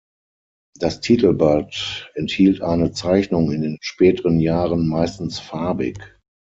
Das Titelblatt enthielt eine Zeichnung, in den späteren Jahren meistens farbig.